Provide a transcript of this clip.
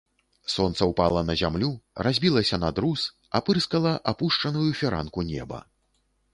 Сонца ўпала на зямлю, разбілася на друз, апырскала апушчаную фіранку неба.